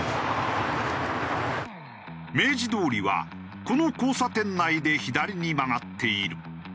明治通りはこの交差点内で左に曲がっている。